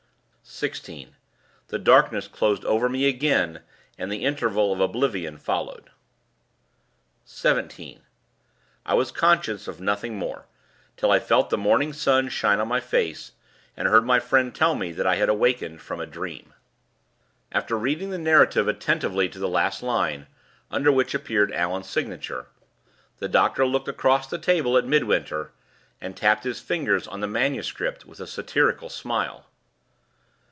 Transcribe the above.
"16. The darkness closed over me again; and the interval of oblivion followed. "17. I was conscious of nothing more, till I felt the morning sun shine on my face, and heard my friend tell me that I had awakened from a dream...." After reading the narrative attentively to the last line (under which appeared Allan's signature), the doctor looked across the breakfast table at Midwinter, and tapped his fingers on the manuscript with a satirical smile.